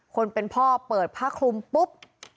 คนเป็นพ่อเปิดผ้าคลุมปุ๊บ